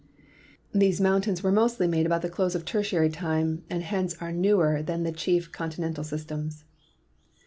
These mountains were mostly made about the close of Tertiary time, and hence are newer than the chief con tinental systems.